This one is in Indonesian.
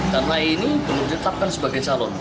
karena ini belum ditetapkan sebagai calon